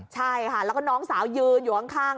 ใช่ค่ะแล้วก็น้องสาวยืนอยู่ข้าง